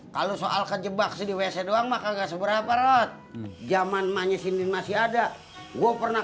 kalau soal kejebak sedih wc doang maka enggak seberapa rod zaman manis ini masih ada gua pernah